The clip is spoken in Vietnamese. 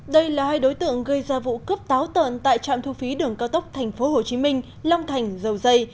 đây là hai đối tượng gây ra vụ cướp táo tợn tại trạm thu phí đường cao tốc tp hcm long thành dầu dây